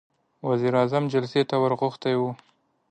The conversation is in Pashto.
وزير اعظم جلسې ته ور غوښتی و.